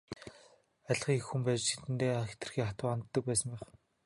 Адилхан эх хүн байж тэдэндээ хэтэрхий хатуу ханддаг байсан байх.